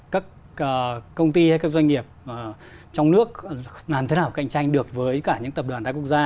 các công ty hay các doanh nghiệp trong nước làm thế nào cạnh tranh được với cả những tập đoàn thái quốc gia